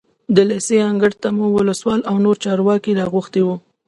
د لېسې انګړ ته مو ولسوال او نور چارواکي راغوښتي وو.